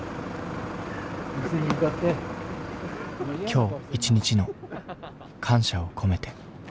今日一日の感謝を込めて。